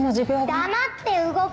黙って動け！